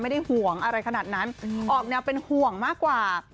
ไม่ได้ห่วงอะไรขนาดนั้นออกแนวเป็นห่วงมากกว่า